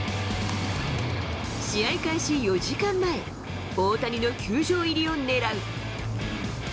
試合開始４時間前、大谷の球場入りを狙う。